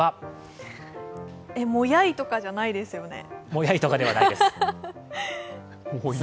「もやい」とかじゃないですよね？